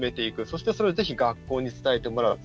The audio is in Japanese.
そして、それをぜひ学校に伝えてもらう。